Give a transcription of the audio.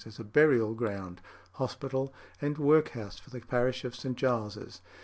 as a burial ground, hospital, and workhouse for the parish of St. Giles's.